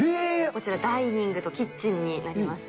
こちら、ダイニングとキッチンになります。